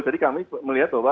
jadi kami melihat